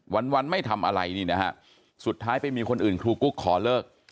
วันวันไม่ทำอะไรนี่นะฮะสุดท้ายไปมีคนอื่นครูกุ๊กขอเลิก